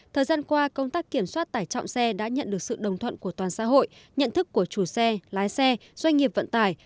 thời gian qua công tác kiểm soát tải trọng xe đã nhận được sự đồng thuận của toàn xã hội nhận thức của chủ xe lái xe doanh nghiệp vận tải